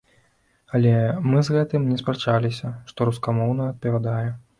Але мы з гэтым не спрачаліся, што рускамоўная адпавядае.